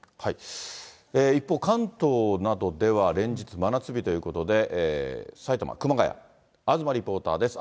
一方、関東などでは連日、真夏日ということで、埼玉・熊谷、東リポーターです。